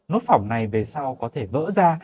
nốt phỏng này về sau có thể vỡ ra